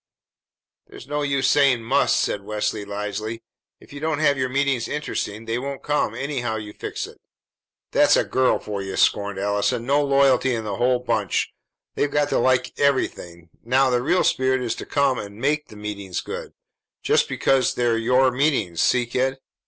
"There's no use saying 'must,'" said Leslie wisely. "If you don't have your meetings interesting, they won't come anyhow you fix it." "That's a girl for you!" scorned Allison. "No loyalty in the whole bunch. They've got to like everything. Now, the real spirit is to come and make the meetings good, just because they're your meetings. See, kid?"